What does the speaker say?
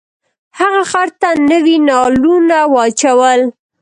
هغه خر ته نوي نالونه واچول.